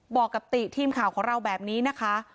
บอกกับติทีมข่าวของเราแบบนี้นะคะ